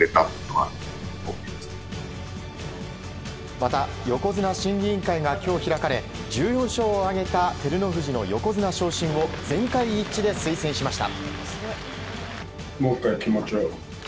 また、横綱審議員会が今日開かれ１４勝を挙げた照ノ富士の横綱昇進を全会一致で推薦しました。